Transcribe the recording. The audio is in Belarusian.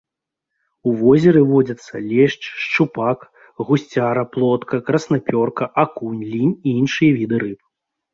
У возеры водзяцца лешч, шчупак, гусцяра, плотка, краснапёрка, акунь, лінь і іншыя віды рыб.